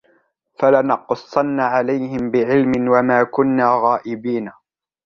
فَلَنَقُصَّنَّ عَلَيْهِمْ بِعِلْمٍ وَمَا كُنَّا غَائِبِينَ